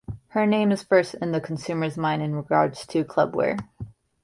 Her name is first in the consumers mind in regards to club wear.